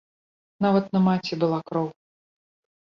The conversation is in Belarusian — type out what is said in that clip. Нават на маці была кроў!